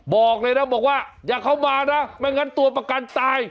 บอกเลยนะบอกว่าอย่าเข้ามานะไม่งั้นตัวประกันตาย